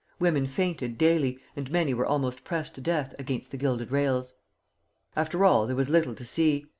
Women fainted daily, and many were almost pressed to death against the gilded rails. After all, there was little to see.